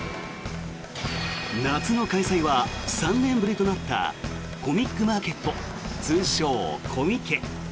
夏の開催は３年ぶりとなったコミックマーケット通称・コミケ。